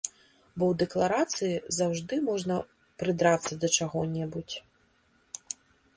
Бо ў дэкларацыі заўжды можна прыдрацца да чаго-небудзь.